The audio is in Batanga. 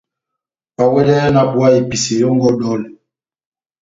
Oháwɛdɛhɛ nahábuwa episeyo yɔngɔ ó dɔlɛ !